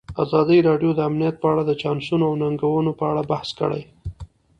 ازادي راډیو د امنیت په اړه د چانسونو او ننګونو په اړه بحث کړی.